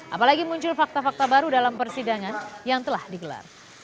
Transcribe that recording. apalagi muncul fakta fakta baru dalam persidangan yang telah digelar